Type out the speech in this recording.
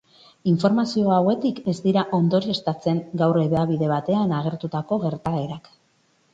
Informazio hauetik ez dira ondorioztatzen gaur hedabide batean agertutako gertaerak.